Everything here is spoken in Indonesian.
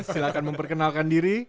silahkan memperkenalkan diri